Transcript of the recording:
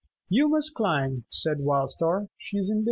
"You must climb," said Wild Star. "She is in the